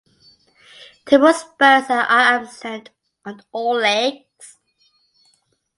Tibial spurs are absent on all legs.